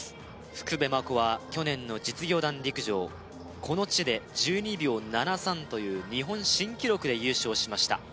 福部真子は去年の実業団陸上この地で１２秒７３という日本新記録で優勝しました